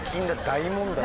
大問題。